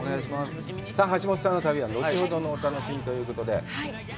さあ橋本さんの旅は後ほどのお楽しみにということで。